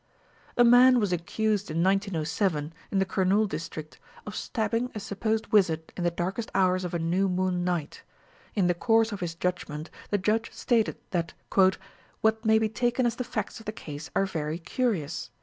A man was accused in 1907, in the Kurnool district, of stabbing a supposed wizard in the darkest hours of a new moon night. In the course of his judgment, the Judge stated that "what may be taken as the facts of the case are very curious.